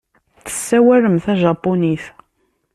Tessawalem tajapunit.